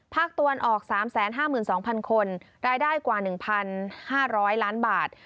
ภาคตะวันออก๓๕๒๐๐คนรายได้กว่า๑๕๐๐ล้านบาท